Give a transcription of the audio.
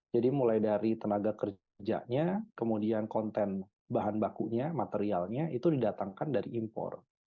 jadi mulai dari tenaga kerjanya kemudian konten bahan bakunya materialnya itu didatangkan dari impor